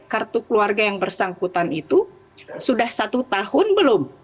kartu keluarga yang bersangkutan itu sudah satu tahun belum